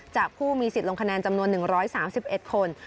ผู้มีสิทธิ์ลงคะแนนจำนวน๑๓๑คน